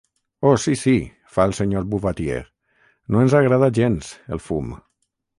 Oh, sí, sí –fa el senyor Bouvatier–, no ens agrada gens, el fum.